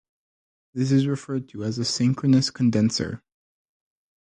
This is referred to as a synchronous condenser.